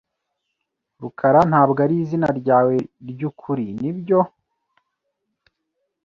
rukarantabwo ari izina ryawe ryukuri, nibyo?